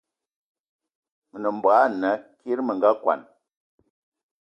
Me nem mbogue ana kiri me nga kwan